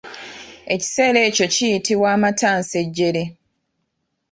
Ekiseera ekyo kiyitibwa amattansejjere.